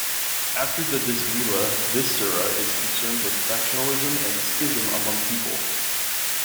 After the bismillah, this sura is concerned with factionalism and schism amongst people.